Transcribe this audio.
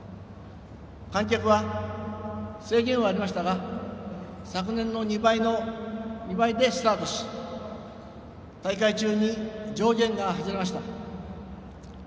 観客は制限はありましたが昨年の２倍でスタートし大会中に上限が外れました。